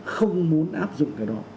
không muốn áp dụng cái đó